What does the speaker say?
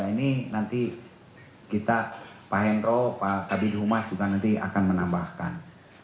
ini nanti kita pak hendro pak kabit humas juga nanti akan menambahkan